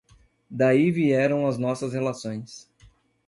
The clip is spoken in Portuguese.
daí vieram as nossas relações.